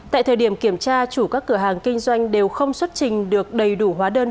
tại thời điểm kiểm tra chủ các cửa hàng kinh doanh đều không xuất trình được đầy đủ hóa đơn